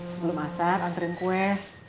sebelum masak anterin kue